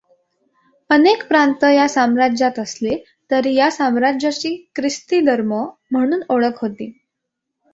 अनेक प्रांत या साम्राज्यात असले तरी या साम्राज्याची ख्रिस्ती धर्म म्हणून ओळख होती.